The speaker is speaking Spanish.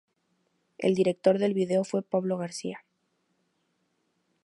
El director del video fue Pablo García.